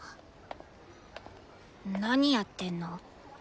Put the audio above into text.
何やってんの？